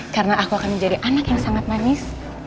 karena aku akan menjadi anak yang sangat manis